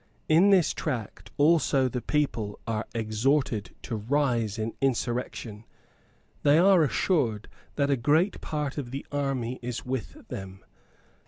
In this tract also the people are exhorted to rise in insurrection. They are assured that a great part of the army is with them.